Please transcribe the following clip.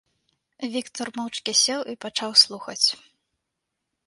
Віктар моўчкі сеў і пачаў слухаць.